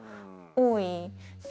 多い。